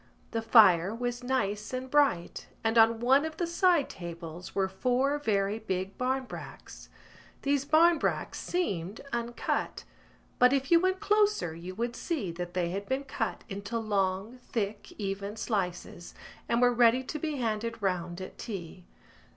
The fire was nice and bright and on one of the side tables were four very big barmbracks. These barmbracks seemed uncut; but if you went closer you would see that they had been cut into long thick even slices and were ready to be handed round at tea.